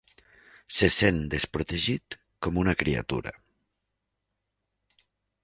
Se sent desprotegit com una criatura.